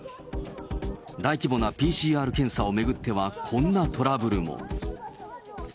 大規模なＰＣＲ検査を巡ってはこんなトラブルも。